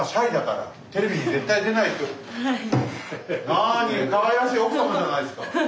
なにかわいらしい奥様じゃないですか。